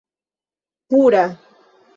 pura